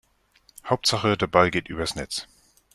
Hauptsache der Ball geht übers Netz.